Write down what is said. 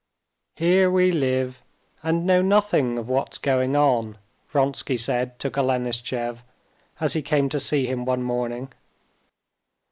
"Here we live, and know nothing of what's going on," Vronsky said to Golenishtchev as he came to see him one morning.